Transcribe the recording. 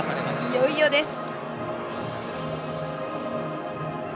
いよいよです。